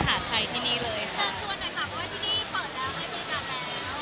แล้วใครเปิดการแล้ว